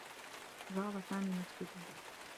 زار سامي مسجدا.